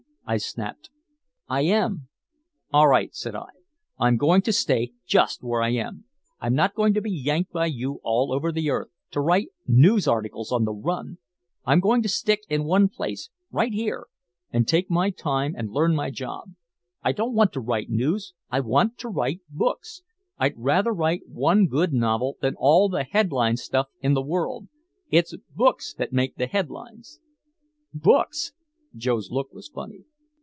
I snapped. "I am!" "All right," said I. "I'm going to stay just where I am! I'm not going to be yanked by you all over the earth, to write news articles on the run! I'm going to stick in one place right here and take my time and learn my job. I don't want to write news, I want to write books. I'd rather write one good novel than all the headline stuff in the world. It's books that make the headlines." "Books?" Joe's look was funny.